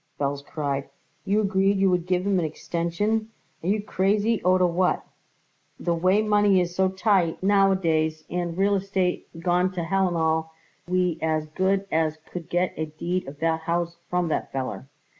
Belz cried. "You agreed you would give him an extension! Are you crazy oder what? The way money is so tight nowadays and real estate gone to hellandall, we as good as could get a deed of that house from that feller."